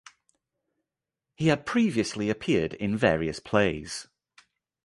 He had previously appeared in various plays.